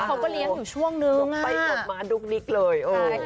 เขาก็เลี้ยงอยู่ช่วงนึงอ่ะไปกลับมาดุกดิกเลย